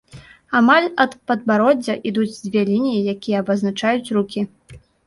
Амаль ад падбароддзя ідуць дзве лініі, якія абазначаюць рукі.